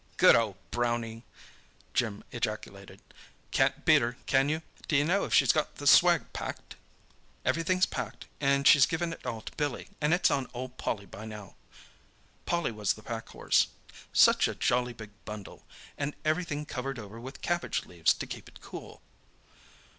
"Good old Brownie!" Jim ejaculated. "Can't beat her, can you? D'you know if she's got the swag packed?" "Everything's packed, and she's given it all to Billy, and it's on old Polly by now." Polly was the packhorse. "Such a jolly, big bundle—and everything covered over with cabbage leaves to keep it cool."